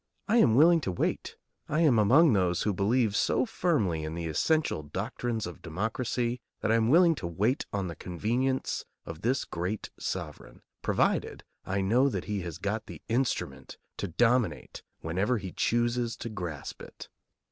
I am willing to wait. I am among those who believe so firmly in the essential doctrines of democracy that I am willing to wait on the convenience of this great sovereign, provided I know that he has got the instrument to dominate whenever he chooses to grasp it.